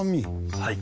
はい。